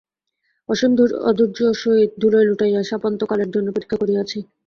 অসীম ধৈর্যের সহিত ধুলায় লুটাইয়া শাপান্তকালের জন্য প্রতীক্ষা করিয়া আছি।